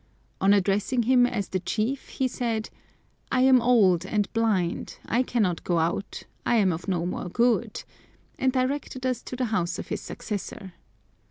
On addressing him as the chief, he said, "I am old and blind, I cannot go out, I am of no more good," and directed us to the house of his successor.